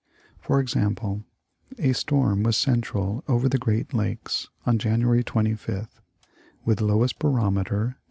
For example^ a storm was central over the Great Lakes on Jan. 25th, with lowest barometer 29.